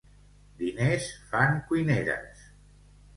Diners fan cuineres.